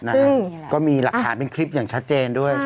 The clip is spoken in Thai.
นะฮะก็มีหลักฐานเป็นคลิปอย่างชัดเจนด้วย